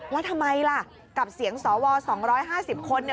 แล้วทำไมล่ะกับเสียงสว๒๕๐คนเนี่ย